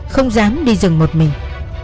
không dám đi rừng một mình